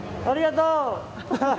ありがとう！